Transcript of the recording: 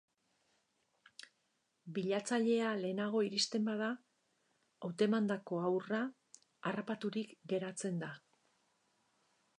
Bilatzailea lehenago iristen bada, hautemandako haurra harrapaturik geratzen da.